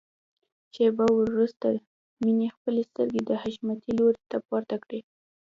شېبه وروسته مينې خپلې سترګې د حشمتي لوري ته پورته کړې.